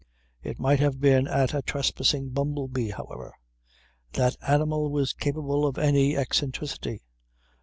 It might have been at a trespassing bumble bee however. That animal was capable of any eccentricity.